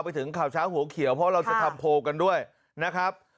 ไปถึงข่าวเช้าหัวเขียวเพราะเราจะทำโพลกันด้วยนะครับ